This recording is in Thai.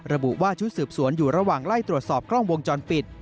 ระบุว่าชุดสืบสวนอยู่ระหว่างไล่ตรวจสอบกล้องวงจรปิด